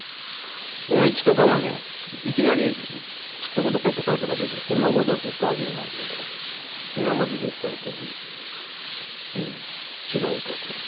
音域とかはねいきなりすっとこどっこいに高い音が出るとかそんなことは絶対ありえないけど今まで出てた音よりうん違う音は出る。